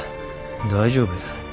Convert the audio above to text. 大丈夫や。